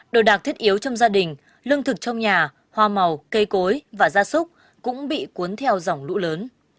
đồ đạc thiết yếu trong gia đình lương thực trong nhà hoa màu cây cối và gia súc cũng bị cuốn theo dòng lũ lớn